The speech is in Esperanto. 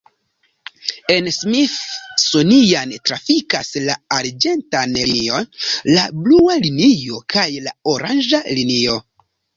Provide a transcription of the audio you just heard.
En Smithsonian trafikas la arĝenta linio, la blua linio kaj la oranĝa linio.